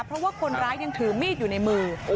เพราะว่าคนร้ายยังถือมีดอยู่ในมือ